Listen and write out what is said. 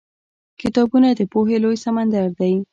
کتابونه د پوهې لوی سمندر دی.